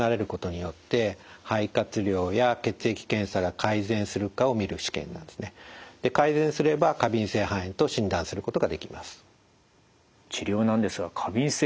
改善すれば過敏性肺炎と診断することができます。